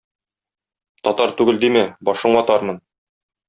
Татар түгел димә - башың ватармын!